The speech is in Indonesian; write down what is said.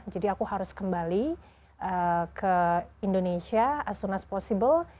jadi aku harus kembali ke indonesia as soon as possible